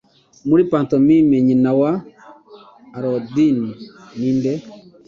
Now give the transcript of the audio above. Muri Pantomime Nyina wa Aladdin Ninde?